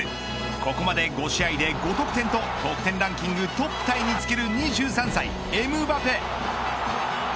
ここまで５試合で５得点と得点ランキングトップタイにつける２３歳、エムバペ。